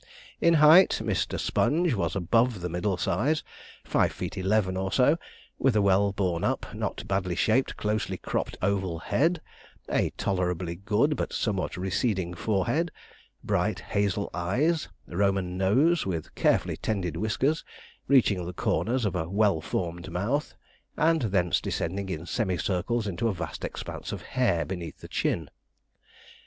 In height, Mr. Sponge was above the middle size five feet eleven or so with a well borne up, not badly shaped, closely cropped oval head, a tolerably good, but somewhat receding forehead, bright hazel eyes, Roman nose, with carefully tended whiskers, reaching the corners of a well formed mouth, and thence descending in semicircles into a vast expanse of hair beneath the chin.